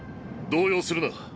動揺するな。